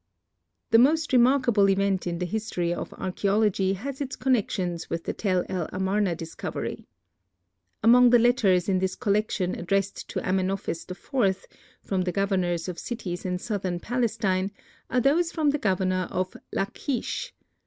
The most remarkable event in the history of archæology has its connections with the Tel el Amarna discovery. Among the letters in this collection addressed to Amenophis IV, from the governors of cities in southern Palestine, are those from the governor of Lachish.